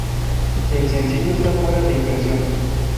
El sencillo está fuera de impresión.